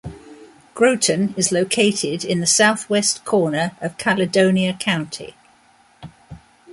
Groton is located in the southwest corner of Caledonia County.